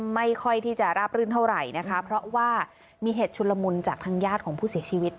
ไม่ค่อยที่จะราบรื่นเท่าไหร่นะคะเพราะว่ามีเหตุชุนละมุนจากทางญาติของผู้เสียชีวิต